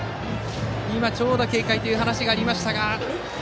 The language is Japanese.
今、長打警戒という話がありましたが。